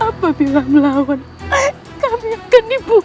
apabila melawan kami akan dibunuh